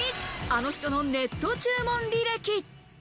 あの人のネット注文履歴。